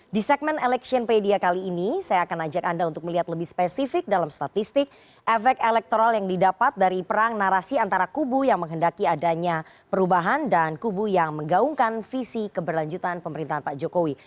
di segmen electionpedia kali ini saya akan ajak anda untuk melihat lebih spesifik dalam statistik efek elektoral yang didapat dari perang narasi antara kubu yang menghendaki adanya perubahan dan kubu yang menggaungkan visi keberlanjutan pemerintahan pak jokowi